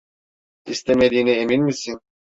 İstemediğine emin misin?